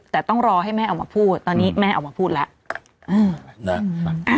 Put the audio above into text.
แต่ต้องรอให้แม่ออกมาพูดตอนนี้แม่ออกมาพูดแล้ว